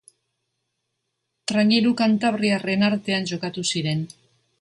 Traineru kantabriarren artean jokatu ziren.